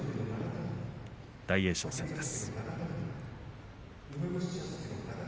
大栄翔戦です。